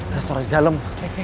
restoran di dalam